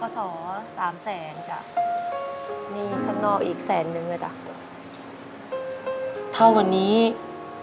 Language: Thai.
โดยโปรแกรมแม่รักลูกมาก